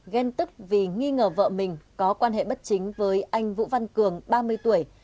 ghen tức vì nghi ngờ vợ mình có quan hệ bất chính với anh vũ văn cường ba mươi tuổi